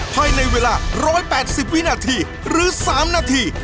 ภายในเวลา๑๘๐วินาทีหรือ๓นาที